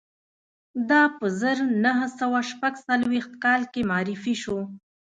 دا په زر نه سوه شپږ څلویښت کال کې معرفي شو